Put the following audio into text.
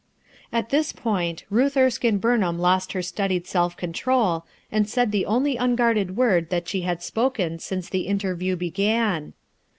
At this point Ruth Erskinc Burnham lost her studied self control and said the only unguarded word that she had spoken since the interview began.